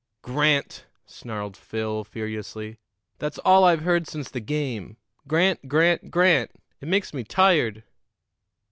"Grant!" snarled Phil furiously. "That's all I've heard since the game! Grant, Grant, Grant! It makes me tired!"